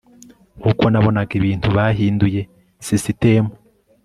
nkuko nabonaga ibintu, bahinduye sisitemu